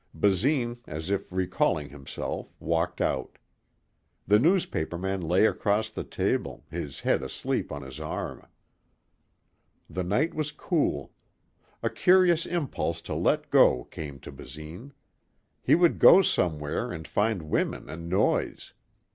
Basine, as if recalling himself, walked out. The newspaperman lay across the table, his head asleep on his arm. The night was cool. A curious impulse to let go came to Basine. He would go somewhere and find women and noise.